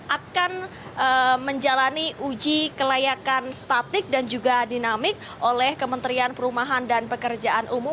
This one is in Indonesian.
akan menjalani uji kelayakan statik dan juga dinamik oleh kementerian perumahan dan pekerjaan umum